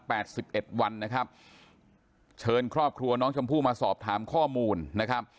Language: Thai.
สิบเอ็ดวันนะครับเชิญครอบครัวน้องชมพู่มาสอบถามข้อมูลนะครับ